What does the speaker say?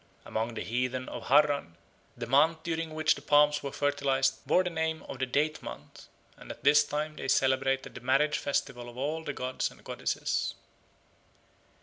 Among the heathen of Harran the month during which the palms were fertilised bore the name of the Date Month, and at this time they celebrated the marriage festival of all the gods and goddesses.